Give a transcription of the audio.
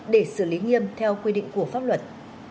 để xử lý nghiêm theo quy định của pháp luật